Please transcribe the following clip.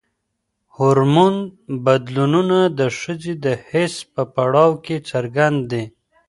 هورمون بدلونونه د ښځو د حیض په پړاو کې څرګند دي.